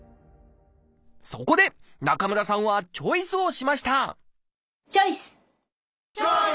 そこで中村さんはチョイスをしましたチョイス！